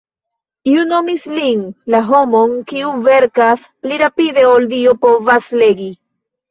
Iu nomis lin "la homon kiu verkas pli rapide ol Dio povas legi".